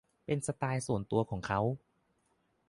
เป็นสไตล์ส่วนตัวของเค้า